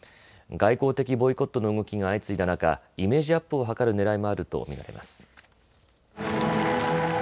外交的ボイコットの動きが相次いだ中、イメージアップを図るねらいもあると見ています。